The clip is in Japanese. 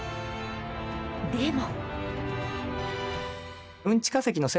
でも。